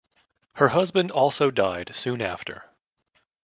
Her husband also died soon after.